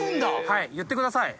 はい言ってください。